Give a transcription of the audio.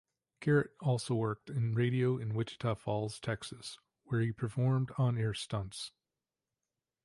Garrett also worked in radio in Wichita Falls, Texas, where he performed on-air stunts.